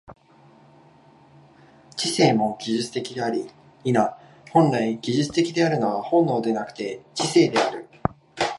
知性も技術的であり、否、本来技術的であるのは本能でなくて知性である。